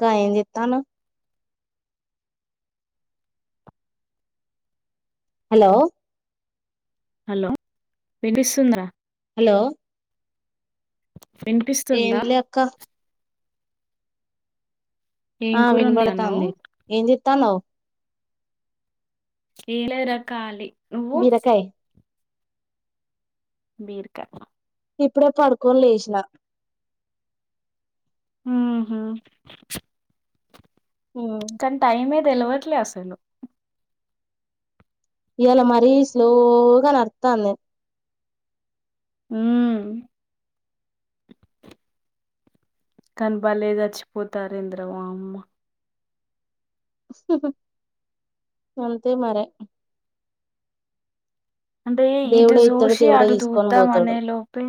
కా ఎం చేతనావ్ హలో హలో విన్ పీసుంద హలో విన్ ఏం పిస్తుందా లే అక్క ఏం ఆ కూరండి అన్నవు వినబడతాంది ఏం జేస్తనవ్ ఏం లేదు రా కాలి నువ్వు బీరకాయ్ బీర్ కా ఇప్పుడే పడుకోన్ లేష్ నా ఉహుమ్ కాన్ టైమే దేలవట్ లే అసలు ఇయ్యాలా మరీ స్లోగా నడ్ తాందే ఉమ్ కన్ బాలే జాచ్ పోతార్ ఏందిరా వమ్మ హుమ్ అంతే మరే అంటే ఇటు దేవుడే ఇత్తడు జుషి దేవుడే అటు తీసుకొని తుద్దాం పోతాడు అనే లోపే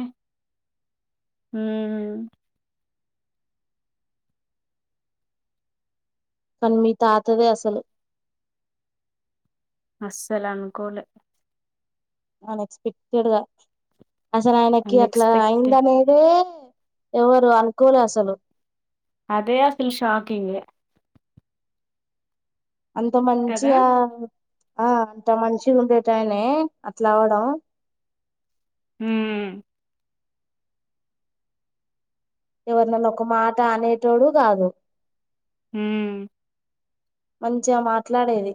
ఉహుమ్ కన్ మీ తాతదే అసలు అస్సలన్ కోలే అనస్ స్పెక్ టెడ్ గా అసల్ ఆయనకి అట్లా అన్ఎక్స్పెక్టెడ్ అయిందనేదే ఎవరు అనుకోలే అసలు అదే అసల్ షాకిింగే అంత కదా మంచిగా అ ఆ అంత మంచ్ గుండెటయ్ నే అట్లా అవడం ఉమ్ ఎవర్ నన్నా ఒక మాట అనేటోడు గాదు ఉమ్ మంచిగ మాట్లాడేది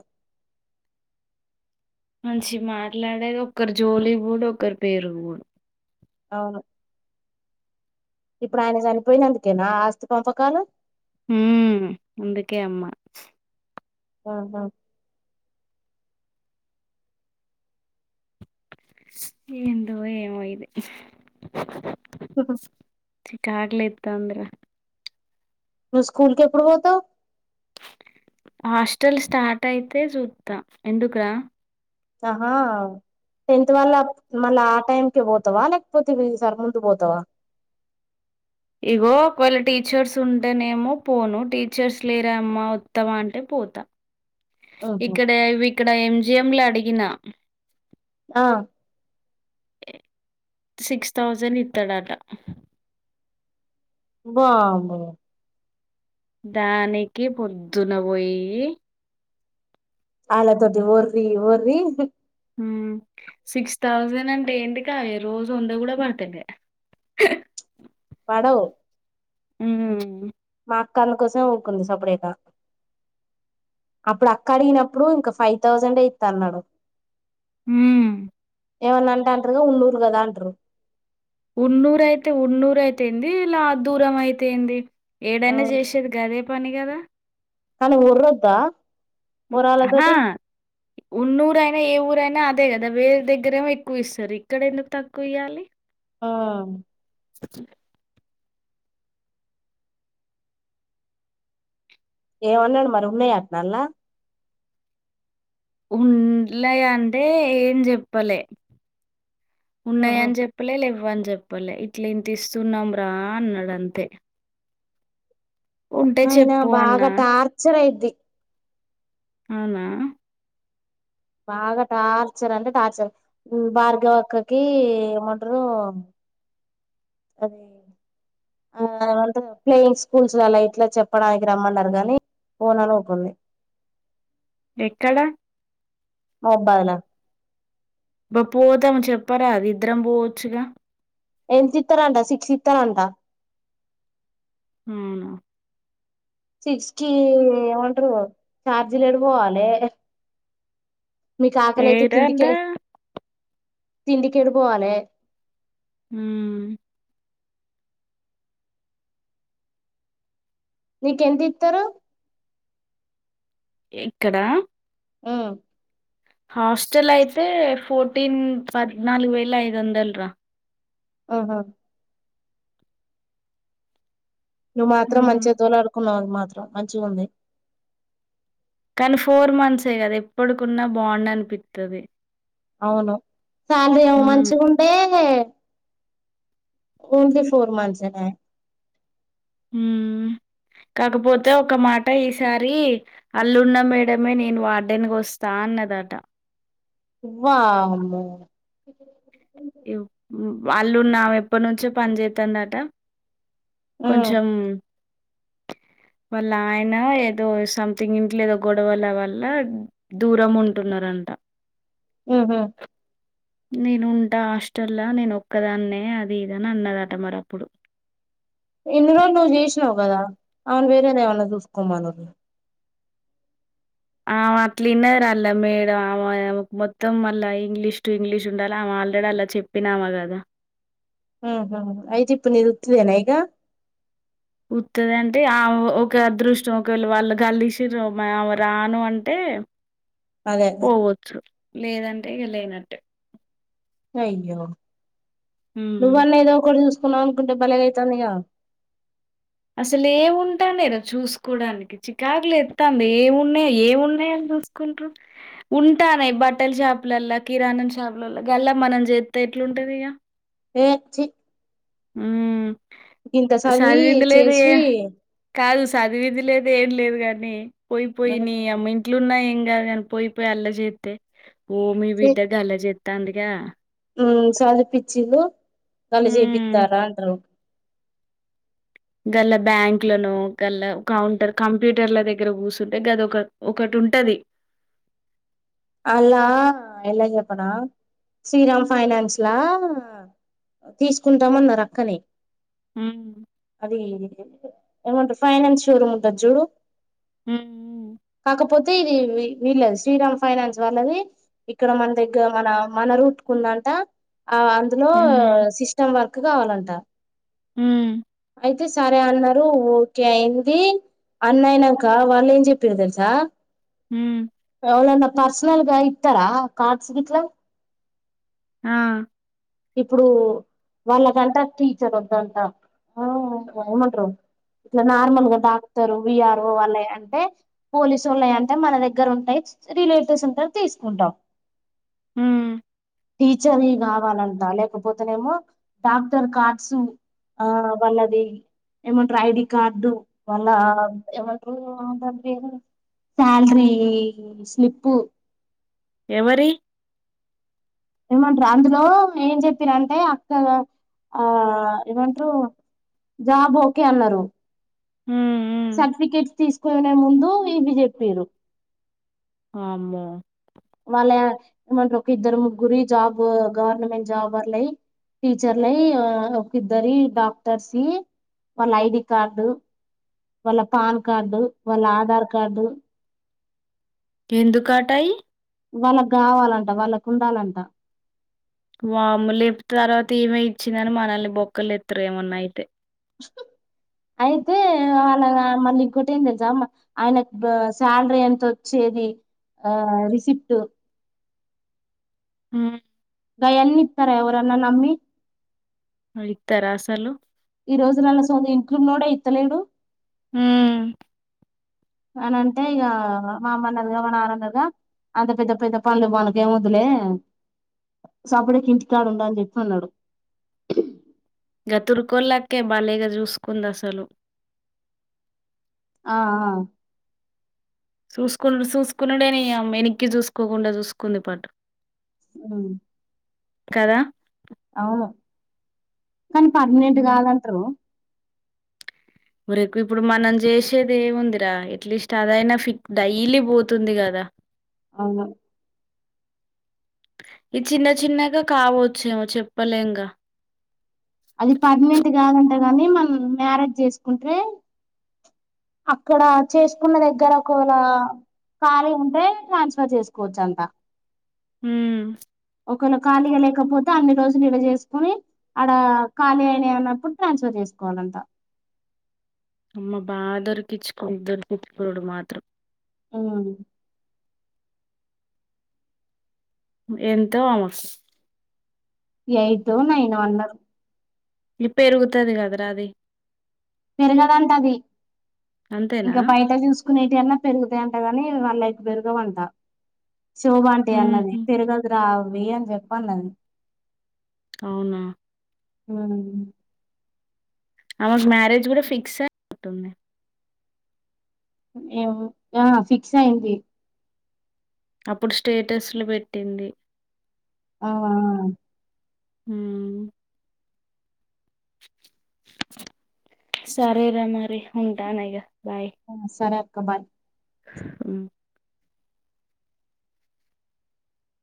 మంచి మాట్లాడేది ఒకర్ జోలీగ్ బోడు ఒకర్ పేరుగ్ బోడు ఔను ఇప్పుడు ఆయన జన్ పెయినందుకేనా ఆ ఆస్తి పంపకాలు ఉమ్మ్ అందుకే అమ్మా ఆహ ఏందో ఏమో ఇది ఉహ్ చికాగ్ లేతాంద్ రా ను స్కూల్ కేప్పుడు పోతవ్ హాస్టల్ స్టార్ట్ అయితే జుత్త ఎందుక్ రా ఆహా ఆ టెన్త్ వాళ్ళ మళ్ళా ఆ టైమ్ కే బోతావా లేక్ పోతే వీసార్ ముందు పోతావా ఇగో ఒక్ వేళ టీచర్స్ ఉంటేనేమో పోను టీచర్స్ లేరమ్మా వత్తావ అంటే పోతా ఉహు ఇక్కడ విక్కడ ఎంజిఎం లా అడిగినా ఆ సిక్స్ థౌజండ్ ఇత్తడట బాంబో దానికి పొద్దున పొయ్యి ఆలాద ఒర్రి ఒర్రి సిక్స్ థౌజండ్ అంటే ఏంటికా ఏ రోజు ఉంద కూడ [unintelligible] పడవ్ హు అక్కన్న కోసం ఊకుంది సప్పుడేద అప్పుడు అక్క అడిగినప్పుడు ఇంకా ఫైవ్ థౌజండే ఇస్తన్నాడు హు [unintelligible] ఉన్నూరు అయితే ఉన్నూరు అయితే ఏంది ఇలా దూరం అయితే ఏంది ఏడైన చేసేది గదే పని కదా అనీ [unintelligible] ఉన్నూర [unintelligible] ఏ ఊరైనా అదే కద వేరే దగ్గరేమో ఎక్కువ ఇస్తారు ఇక్కడ ఎందుకు తక్కువ ఇవ్వాలి ఆ స ఏమన్నాడు మరి ఉన్నాయ [unintelligible] [unintelligible] అంటే ఏం చెప్పలే ఆహా ఉన్నాయని చెప్పలే [unintelligible] చెప్పలే ఇట్ల ఇంత ఇస్తున్నాం రా అన్నాడు అంతే అయినా బాగ అన్నా. టార్చర్ [unintelligible] అవునా బాగ టార్చర్ అంటే టార్చర్ భార్గవి అక్కకి ఏమంటారు అదే ఆ [unintelligible] ప్లేయింగ్ స్కూల్స్ అల ఇట్లా చెప్పడానికి రమ్మన్నారు కానీ [unintelligible] ఎక్కడ [unintelligible] బ పోతాము చెప్పారా అది ఇద్దరం పోవచ్చుగ ఎంతితారంట సిక్స్ ఇతారంట హు సిక్స్ కి ఏమంటారు చార్జీలు [unintelligible] పోవాలి మీకు ఆకలయితే ఏడంట?" తిండికి తిండికెడు పోవాలె హు నీకెంతితారు ఇక్కడ ఉ హాస్టల్ అయితే ఫోర్టీన్ పద్నాలుగు వేల ఐదు వందల్రా ఆహా నువ్వు మాత్రం మంచిగా తోలాడుకున్నావు మాత్రం మంచిగుంది కానీ ఫోర్ మంత్సే కదా ఎప్పడుకున్నా బాగుండు అనిపిస్తది అవును శాలరీ ఏమో మంచిగుంటే [unintelligible] హుమ్మ్ కాకపోతే ఒక మాట ఈసారి అల్లు ఉన్న మేడమే నేను వాడ్డేన్గా వస్తా అన్నదా దంటా వామ్మో వాళ్ళు ఉన్నా ఆమే ఎప్పడ్ నుంచో పని చేత్తందఅంటా ఉమ్ కొంచం మ్ వాళ్ళ ఆయన ఏదో సంథింగ్ ఇంట్లో ఏదో గొడవల వల్ల దూరం ఉంటుం ఉన్నార్ అంటా ఉహు నేను ఉంట హాస్టల్లా నేను ఒక్కదాన్నే అది ఇదని అన్నద అంట మరి అప్పుడు ఎన్ని రోజులు నువ్వు చేసినావు కదా అమెను వేరేదేమ అన్న చూసుకోమను నువ్ ఆ ఆమె అట్లఇన్నాంరాల మేడం ఆమె మొత్తం మళ్ళా ఇంగ్లీష్ టు ఇంగ్లీష్ ఉండాలి ఆమ ఆల్రెడీ అల్ల చెప్పినామా గదా ఆహ అయితే ఇప్పుడు నేను ఉత్తిదేనా ఈగ ఉత్తదే అంటే ఆ ఒక అదృష్టం ఒకళ్ళు వాళ్ళు గాల్ తీసుండ్రు అమే రాను అంటే ఏ అదే పోవఅచ్చు లేద అంటే ఇగ లేన అట్టే అయ్యో నువు ఉమ్ అన్న ఏదో ఒకట్ చూస్ కున్నావ్ అనుకుంటే బలేగైతాంది ఇగా అసలు ఏము ఉంటయి అండి ఇడ చూసుకోవడానికి చికాగులు ఎస్తా అంది ఏము ఉన్నాయి ఏముఉన్నాయ్ చూకుంటు ఉంటానే బట్టల షాపుల అల్లా కిరాణం షాపులోల్లా గల్లా మనం చేబ్తే ఎట్లు ఉంట అది ఇగ ఏ ఛీ మ్ గింత చదివి సదివింద్ లేదు ఏ చేసి కాదు స చదివింది లేదు ఏమ్ లేదు గాని పోయిపోయి ఉమ్ నీ అమ్మ ఇంట్లు ఉన్నాయి ఇ ఇకా కాని పోయిపోయి అల్లరి చేస్తే ఓ మీ వీ దగ్గర్ అల్లరి చేస్తా అందిగా చదుపిచ్చుఉండు కళ్ళు హ్మ్ చూపిస్తారా అంటరు గల్ల బ్యాంక్లను గల్ల కౌంటర్ కంప్యూటర్ల దగ్గర కూర్చుంటే గద ఒక ఒకటి ఉంటది అలా ఎలా చెప్పనా శ్రీరామ్ ఫైనాన్స్లా తీసుకుంటామన్నారు అక్కనే హ్మ్ అది ఏమంట ఫైనాన్స్ షోరూమ్ ఉంటంది చూడు హ్మ్ కాకపోతే ఇది వీళ్ళదు శ్రీరామ్ ఫైనాన్స్ వాళ్ళది ఇక్కడ మన దగ్గర మన మన రూట్కు ఉంద అంట ఆ అందులో హ్మ్ సిస్టమ్ వర్క్ కావాలంట మ్ అయితే సరే అన్నారు ఓకే అయింది అన్నయనాక వాళ్ళు ఏం చెప్పిరు తెలుసా హ్మ్ ఎళ అన్న పర్సనల్గా ఇత్తారా కార్డ్స్ గిట్లా ఆ ఇప్పుడు వాళ్ళకంటా టీచర్ వద్దంతా ఆ ఏమండ్ర ఇట్లా నార్మల్గా డాక్టర్ విఆర్ఓ వాళ్ళయి అంటే పోలీసు వొళ్ళయి అంటే మన దగ్గర ఉంటాయి రిలేటివ్స్ ఉంటరు తీసుకుంటాం మ్ టీచర్ య కావాలంటా లేకపోతేనేమో డాక్టర్ కార్డ్స్ ఆహ్ వాళ్ళది. ఏమంటారు ఐడి కార్డు వాళ్ళ ఏమంటారు అంతా. ఆహ్ అది స్లిప్పు. ఎవరి. ఏమంటారు అందులో ఏం చెప్పిన అంటే అక్క ఆహ్ ఏమంటారు. జాబ్ ఓకే అన్నారు. హ్మ్ హ్మ్ సర్టిఫికెట్ తీసుకునే ముందు ఈవి జెప్పింరు. అమ్మో. మళ్ళా ఏమంటారు ఒక ఇద్దరు ముగ్గురి జాబ్ గవర్నమెంట్ జాబ్ రులై. టీచర్ లై ఆహ్ ఒక ఇద్దరి డాక్టర్ సై. వాళ్ళ ఐడి కార్డు వాళ్ళ పాన్ కార్డు వాళ్ళ ఆధార్ కార్డు. ఎందుకటై. వాళ్ళకు కావాలంట వాళ్ళకు ఉండాలంట. వామ్మో లేపు తర్వాత ఏమే ఇచ్చినమని మనల్ని బొక్కలు ఎత్తరేమో ఏమన్నా అయితే. ఉహూ. అయితే వాళ్ళు మళ్ళీ ఇంకోటి ఏం తెలుసా అమ్మా ఆయన ఆహ్ శాలరీ ఎంతోచ్చే. ఆహ్ రీసిప్ట్. ఉమ్. ఆయాన్ని ఇత్తారా ఎవరన్న నమ్మి. ఇత్తార అసలు. ఈ రోజు నల సోంత ఇంట్లోనోడే ఇత్తలేడు. ఉమ్. అని అంటే ఇక మా అమ్మన్నదిగా మానాన్నదిగా. అంత పెద్ద పెద్ద పళ్ళు మాకేం వద్దులే. సపుడేకి ఇంటికడు ఉండు అని చెప్పి అన్నాడు. ఆహ్ తుర్కోలకే బాలేగా చూసుకుంది అసలు. ఆహ్. చూసుకునుడు చూసుకున్నాడేనియమ్ వెనక్కి చూసుకోకుండా చూసుకుంది పాటు. ఉమ్. కదా. అవును కానీ పర్మనెంట్ హ్మ్. కాదంటారు. మరికు ఇప్పుడు మనం చేసేది ఏముందిరా ఎట్లీస్ట్ అదైనా ఫిగ్ డైలీ పోతుంది కాదా. అవునన్. [inaudible] ఇది చిన్న చిన్నగా కావచ్చేమో చెప్పలేంగా. అది పర్మినెంట్ కాదంట గాని మనం మ్యారేజ్ చేసుకుంటే. అక్కడ చేసుకున్న దగ్గర ఒకవేళ. ఖాళీగ ఉంటే ట్రాన్స్ఫర్ చేసుకోవచ్చు అంట. ఉమ్. ఒకవేళ ఖాళీగా లేకపోతే అన్ని రోజులు ఇడ చేసుకోని. ఆడ ఖాళీ అయినా అన్నప్పుడు ట్రాన్స్ఫర్ చేసుకొ. సుకోవాలంట. అమ్మ బాగా దొరికిచ్చు దొరికించుకోవడం మాత్రం. ఆవును. ఎంతో అమాస్. ఎయితో నైనో అన్నారు. లి పెరుగుతది కదరా అది పెరగదంట అది అంతేనా? ఇంకా బయట చూసుకు కొన్నిటి అన్న పెరుగుతాయింట కాని వాళ్ళవి పెరుగవంట శోభ ఆంటీ అన్నది హుహు. పెరగదురా అవి అని చెప్పండన్ అవునా ఆ ఆమెకు మ్యారేజ్ కూడా ఫిక్స్ అయినటుంది ఏమో ఆ ఫిక్స్ అయ్యింది అప్పుడు స్టేటస్లు పెట్టింది ఆ ఆ మ్ సరే రా మరి ఉంటానిగ సరే అక్క బాయ్ మ్